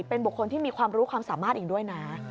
เป็นบุคคลที่มีความรู้ความสามารถอีกด้วยนะ